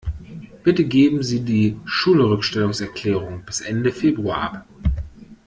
Bitte geben Sie die Schulrückstellungserklärung bis Ende Februar ab.